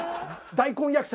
大根役者。